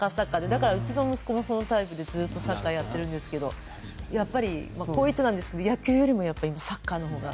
だからうちの息子もそのタイプでずっとサッカーやってるんですけどやっぱりこういっちゃなんですが野球よりもサッカーのほうが。